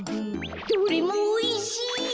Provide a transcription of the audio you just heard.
どれもおいしい！